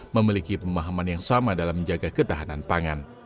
memiliki pemahaman yang sama dalam menjaga ketahanan pangan